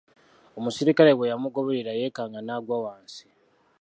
Omuserikale bwe yamuboggolera yeekanga n'agwa wansi.